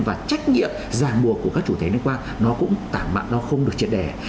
và trách nhiệm giàn mùa của các chủ thể liên quan nó cũng tản mạng nó không được triệt đẻ